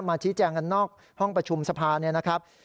ชี้แจงกันนอกห้องประชุมสภาเนี่ยนะครับ